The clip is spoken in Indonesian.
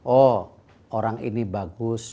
oh orang ini bagus